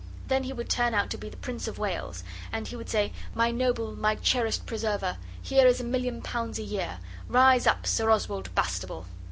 Then he would turn out to be the Prince of Wales, and he would say, "My noble, my cherished preserver! Here is a million pounds a year. Rise up, Sir Oswald Bastable."